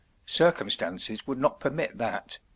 Circumstances would not permit that.